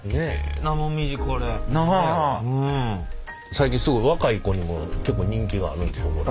最近すごい若い子にも結構人気があるということで。